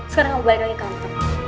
sekarang aku balik lagi ke kantor